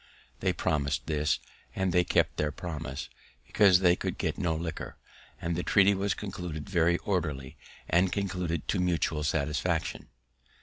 They promis'd this, and they kept their promise, because they could get no liquor, and the treaty was conducted very orderly, and concluded to mutual satisfaction.